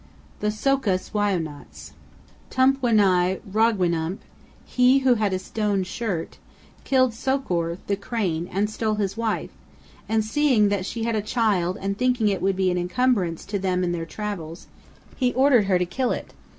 THE SO'KUS WAI'UNATS. Tumpwinai'rogwinump, He Who Had A Stone Shirt, killed Sikor', the Crane, and stole his wife, and seeing that she had a child and thinking it would be an incumbrance to them on their travels, he ordered her to kill it.